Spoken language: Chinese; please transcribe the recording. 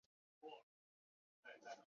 西尔瓦内。